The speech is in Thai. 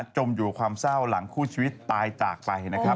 จมอยู่กับความเศร้าหลังคู่ชีวิตตายจากไป